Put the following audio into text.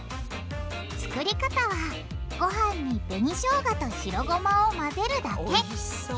作り方はごはんに紅しょうがと白ごまを混ぜるだけおいしそう。